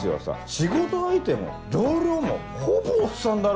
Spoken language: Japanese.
仕事相手も同僚もほぼおっさんだろ？